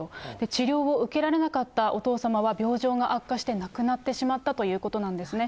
治療を受けられなかったお父様は病状が悪化して亡くなってしまったということなんですね。